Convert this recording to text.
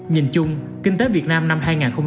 nhìn chung kinh tế việt nam năm hai nghìn hai mươi